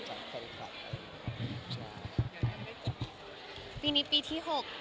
ตอนนี้ปี